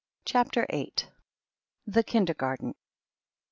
CHAPTEE VIIL THE KINDERGARTEN.